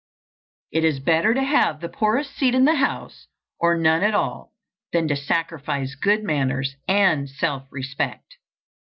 It is better to have the poorest seat in the house or none at all than to sacrifice good manners and self respect.